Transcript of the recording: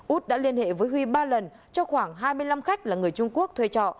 út đã liên hệ với huy ba lần cho khoảng hai mươi năm khách là người trung quốc thuê trọ